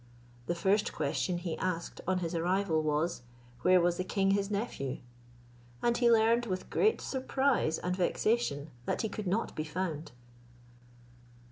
The first question he asked on his arrival was, "Where was the king his nephew?" and he learned with great surprise and vexation that he could not be found.